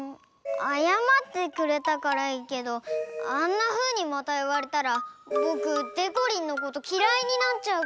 あやまってくれたからいいけどあんなふうにまたいわれたらボクでこりんのこときらいになっちゃうかも。